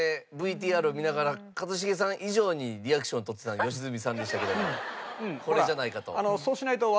でＶＴＲを見ながら一茂さん以上にリアクションとってたの良純さんでしたけどもこれじゃないかと。